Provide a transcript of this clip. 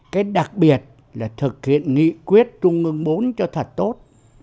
cái đặc biệt là thực hiện nghị quyết trung ương bốn cho thật tốt